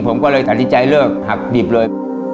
ผมก็เลยตัดสินใจเลิกหักดิบเลย